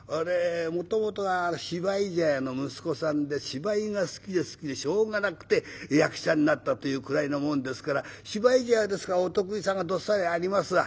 もともとは芝居茶屋の息子さんで芝居が好きで好きでしょうがなくて役者になったというくらいのもんですから芝居茶屋ですからお得意さんがどっさりありますわ。